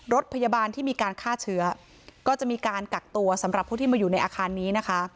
รถพยาบาลที่มีการฆ่าเชื้อก็จะมีการกักตัวสำหรับผู้ที่มาอยู่ในอาคารนี้นะคะ